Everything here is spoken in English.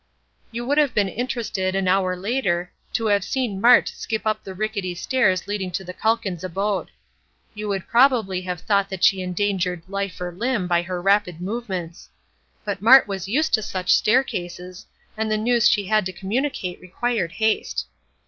You would have been interested, an hour later, to have seen Mart skip up the rickety stairs leading to the Calkins abode. You would probably have thought that she endangered life or limb by her rapid movements; but Mart was used to such staircases, and the news she had to communicate required haste.